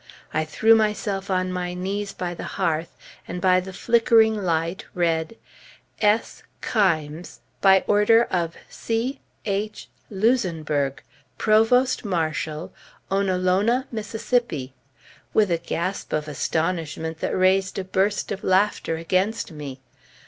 I threw myself on my knees by the hearth, and by the flickering light read "S. Kimes. By order of C! H!! Luzenberg!!! Provost Marshal!!!! Onolona, Miss.," with a gasp of astonishment that raised a burst of laughter against me.